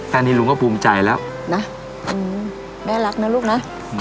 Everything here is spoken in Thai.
ตอนนี้ลุงก็ภูมิใจแล้วนะแม่รักนะลูกนะ